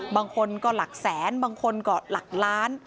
บางคนก็หลักแสนบางคนก็หลักล้าน